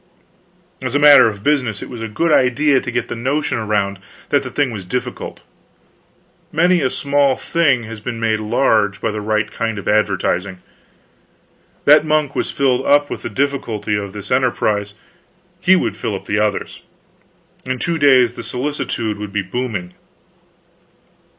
As a matter of business it was a good idea to get the notion around that the thing was difficult. Many a small thing has been made large by the right kind of advertising. That monk was filled up with the difficulty of this enterprise; he would fill up the others. In two days the solicitude would be booming.